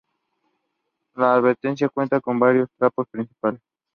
La avenida cuenta con varios tramos principales.